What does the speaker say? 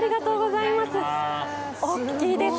大きいです。